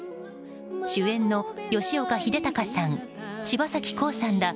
主演の吉岡秀隆さん柴咲コウさんら